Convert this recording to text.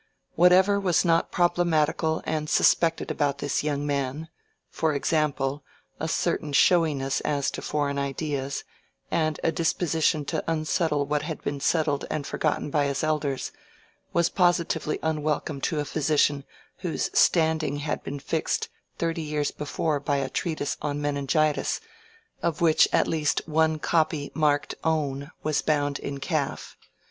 Whatever was not problematical and suspected about this young man—for example, a certain showiness as to foreign ideas, and a disposition to unsettle what had been settled and forgotten by his elders—was positively unwelcome to a physician whose standing had been fixed thirty years before by a treatise on Meningitis, of which at least one copy marked "own" was bound in calf.